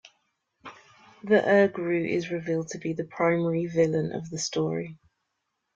The Ur-grue is revealed to be the primary villain of the story.